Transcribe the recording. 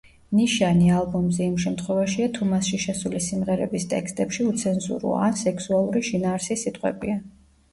ნიშანი ალბომზე იმ შემთხვევაშია, თუ მასში შესული სიმღერების ტექსტებში უცენზურო ან სექსუალური შინაარსის სიტყვებია.